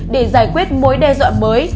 để giải quyết mối đe dọa mới